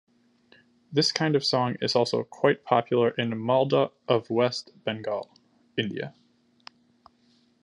This kind of song is also quite popular in Malda of West Bengal, India.